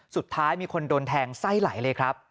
สุดท้ายมีคนโดนแทงไส้ไหลเลยครับ